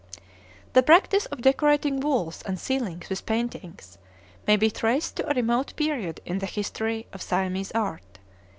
The practice of decorating walls and ceilings with paintings may be traced to a remote period in the history of Siamese art.